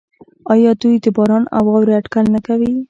آیا دوی د باران او واورې اټکل نه کوي؟